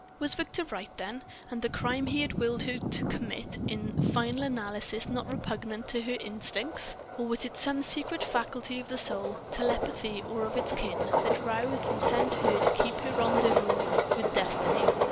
Was Victor right, then, and the crime he had willed her to commit in final analysis not repugnant to her instincts? Or was it some secret faculty of the soul, telepathy or of its kin, that roused and sent her to keep her rendezvous with destiny?